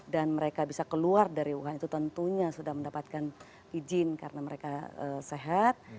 dan mereka bisa keluar dari wuhan itu tentunya sudah mendapatkan izin karena mereka sehat